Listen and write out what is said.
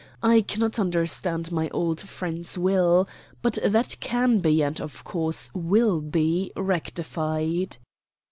I cannot understand my old friend's will. But that can be, and, of course, will be, rectified."